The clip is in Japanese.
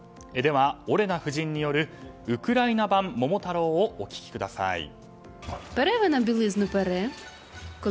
では、オレナ夫人によるウクライナ版「桃太郎」をお聞きください。